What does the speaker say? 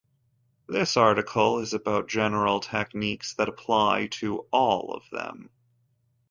This article is about general techniques that apply to all of them.